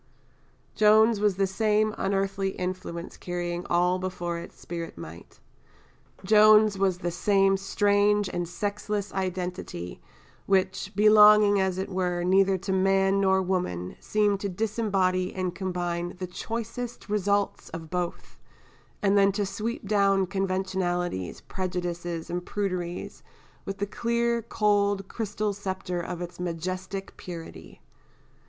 Joan's was the same unearthly influence carrying all before its spirit might Joan's was the same strange and sexless identity, which, belonging as it were neither to man nor woman, seemed to disembody and combine the choicest results of both, and then to sweep down conventionalities, prejudices, and pruderies, with the clear, cold, crystal sceptre of its majestic purity.